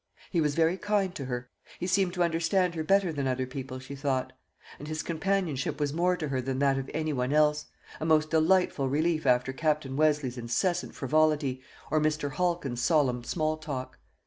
He was very kind to her; he seemed to understand her better than other people, she thought; and his companionship was more to her than that of any one else a most delightful relief after Captain Westleigh's incessant frivolity, or Mr. Halkin's solemn small talk.